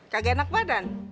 kagak enak badan